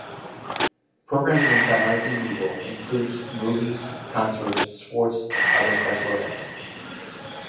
Programming on Canal Indigo includes movies, concerts, sports, and other special events.